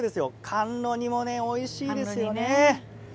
甘露煮もおいしいですよね。